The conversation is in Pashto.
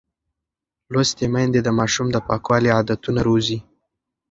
لوستې میندې د ماشوم د پاکوالي عادتونه روزي.